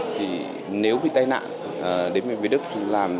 thì nếu bị tai nạn đến miền việt đức chúng ta làm